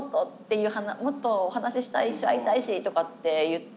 「もっと話したいし会いたいし」とかって言って。